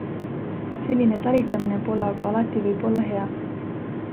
Selline talitamine pole aga alati võib-olla hea.